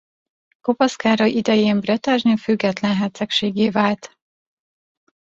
Kopasz Károly idején Bretagne független hercegséggé vált.